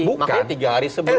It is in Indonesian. makanya tiga hari sebelumnya